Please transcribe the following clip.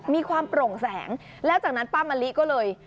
มีความโปร่งแสงแล้วจากนั้นป้ามะลิก็เลย